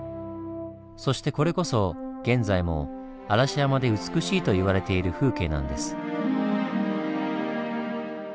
そしてこれこそ現在も嵐山で美しいと言われている風景なんです。